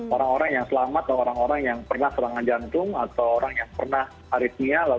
orang orang yang selamat atau orang orang yang pernah serangan jantung atau orang yang pernah aritmia lalu dia selamat